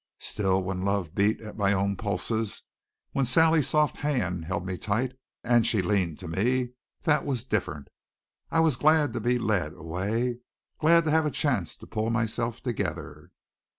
Still, when love beat at my own pulses, when Sally's soft hand held me tight and she leaned to me that was different. I was glad to be led away glad to have a chance to pull myself together.